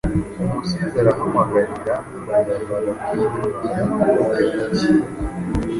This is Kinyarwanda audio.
Umusizi arahamagarira Abanyarwanda kwitwara gute? Kuki